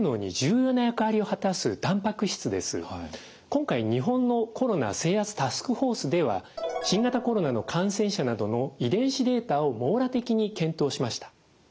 今回日本のコロナ制圧タスクフォースでは新型コロナの感染者などの遺伝子データを網羅的に検討しました。